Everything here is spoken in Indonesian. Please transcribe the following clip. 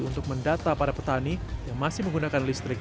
untuk mendata para petani yang masih menggunakan listrik